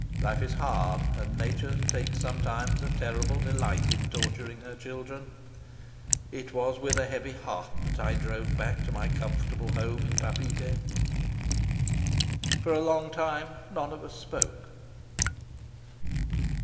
Life is hard, and Nature takes sometimes a terrible delight in torturing her children. It was with a heavy heart that I drove back to my comfortable home in Papeete." For a long time none of us spoke.